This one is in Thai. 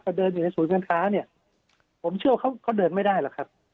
เดินอยู่ในศูนย์การค้าเนี่ยผมเชื่อว่าเขาเดินไม่ได้หรอกครับ